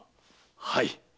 はい。